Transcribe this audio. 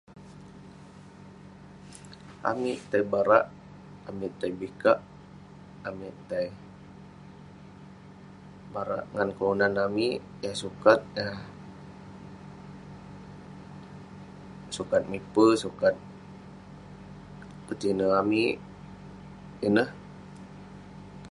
amik tai barak, amik tai bikak, amik tai barak ngan kelunan amik yah sukat, yah sukat mipe, sukat ketine amik, ineh